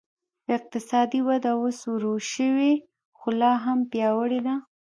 اقتصادي وده اوس ورو شوې خو لا هم پیاوړې ده.